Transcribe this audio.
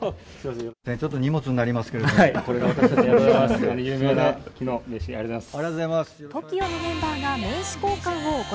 ちょっと荷物になりますけれども、これが私どもの名刺です。